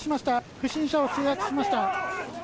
不審者を制圧しました。